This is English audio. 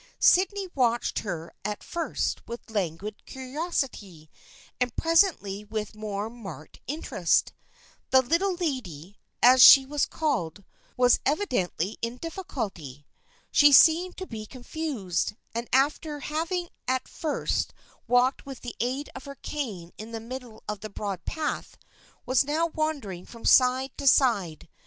Sydney watched her at first with languid curiosity, and presently with more marked interest. The Little Lady, as she was called, was evidently in difficulty. She seemed to be confused, and after having at first walked with the aid of her cane in the middle of the broad path, was now wandering from side to side.